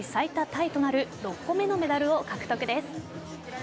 タイとなる６個目のメダルを獲得です。